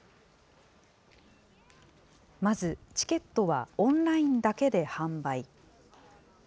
まず、チケットはオンラインだけで販売。